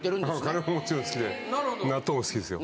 カレーももちろん好きで納豆も好きですよ。